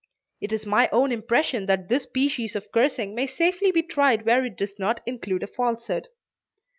It is my own impression that this species of cursing may safely be tried where it does not include a falsehood.